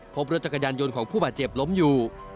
พบรถจักรยานยนต์ของผู้บาดเจ็บล้มอยู่